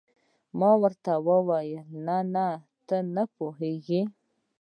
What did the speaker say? ما ورته وویل: نه، ته نه پوهېږې.